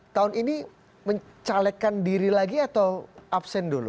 tahun ini mencalekkan diri lagi atau absen dulu